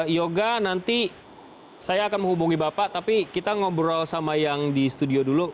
yoga nanti saya akan menghubungi bapak tapi kita ngobrol sama yang di studio dulu